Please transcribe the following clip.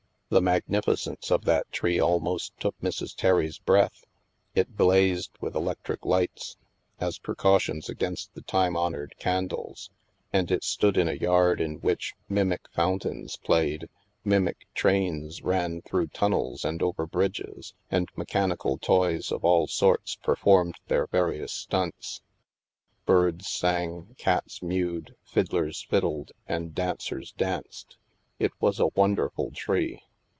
The mag nificence of that tree almost took Mrs. Terry's breath. It blazed with electric lights (as precau tions against the time honored candles), and it stood in a yard in which mimic fountains played, mimic trains ran through tunnels and over bridges, and me chanical toys of all sorts performed their various stunts : birds sang, cats mewed, fiddlers fiddled, and dancers danced. It was a wonderful tree.